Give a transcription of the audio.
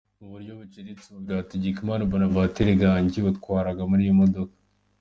Muburyo buciriritse umubiri wa Hategekimana Bonaventure Gangi watwarwaga muri iyi modoka.